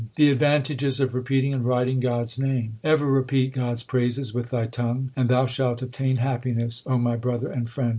The advantages of repeating and writing God s name : Ever repeat God s praises with thy tongue, And thou shalt obtain happiness, O my brother and friend.